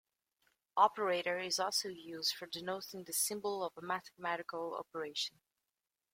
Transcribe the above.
Operator is also used for denoting the symbol of a mathematical operation.